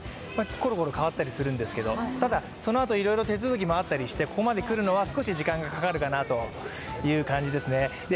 ころころ変わったりするんですけれども、ただそのあといろいろ手続きもあったりしてここまで来るのは少し時間がかかるかなという感じです。